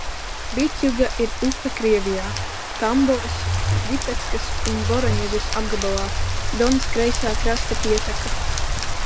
Bitjuga ir upe Krievijā, Tambovas, Ļipeckas un Voroņežas apgabalā, Donas kreisā krasta pieteka.